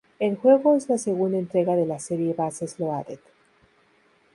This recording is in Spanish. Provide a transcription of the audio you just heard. El juego es la segunda entrega de la serie "Bases Loaded".